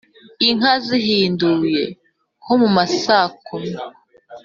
inka zihinduye (nko mu masaa kumi)